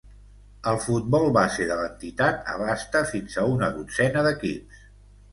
El futbol base de l'entitat abasta fins a una dotzena d'equips.